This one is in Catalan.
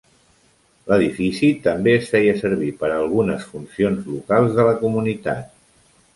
L'edifici també es feia servir per alguna funcions locals de la comunitat.